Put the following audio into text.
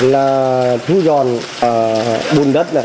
là thư giòn bùn đất